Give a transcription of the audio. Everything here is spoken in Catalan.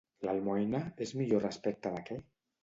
L'almoina és millor respecte de què?